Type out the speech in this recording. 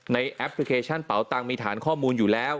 แอปพลิเคชันเป๋าตังค์มีฐานข้อมูลอยู่แล้ว